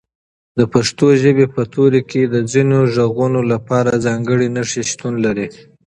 د پښتو ژبې په توري کې د ځینو غږونو لپاره ځانګړي نښې شتون لري.